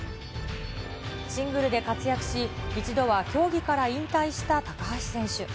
シングルで活躍し、一度は競技から引退した高橋選手。